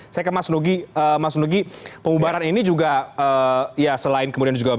saya ke mas nugi mas nugi pembubaran ini juga ya selain kemudian juga